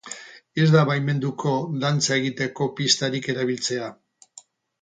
Ez da baimenduko dantza egiteko pistarik erabiltzea.